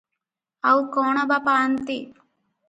ଆଉ କଅଣ ବା ପାଆନ୍ତେ?